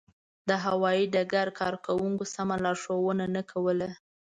د هوایي ډګر کارکوونکو سمه لارښوونه نه کوله.